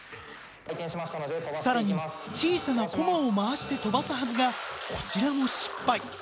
更に小さなコマを回して飛ばすはずがこちらも失敗。